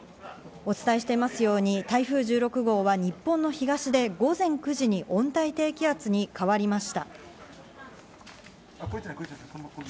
お伝えしていますように台風１６号は日本の東で午前９時に温帯低気圧に変わりました。